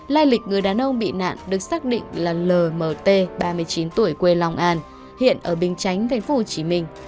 lai lịch người đàn ông bị nạn được xác định là lmt ba mươi chín tuổi quê long an hiện ở bình chánh thành phố hồ chí minh